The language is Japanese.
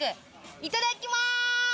いただきます！